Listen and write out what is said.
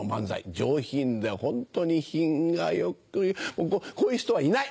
上品でホントに品が良くこういう人はいない！